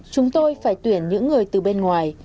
chúng tôi phải tuyển những người từ bên ngoài